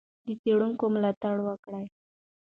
د څېړونکو ملاتړ وکړئ.